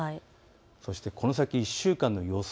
そしてこの先１週間の予想